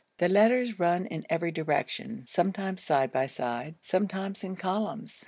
The letters run in every direction sometimes side by side, sometimes in columns.